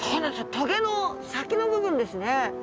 棘の先の部分ですね。